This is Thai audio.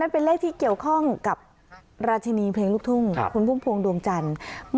เป็นเลขที่เกี่ยวข้องกับราชินีเพลงลูกทุ่งคุณพุ่มพวงดวงจันทร์